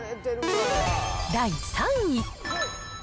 第３位。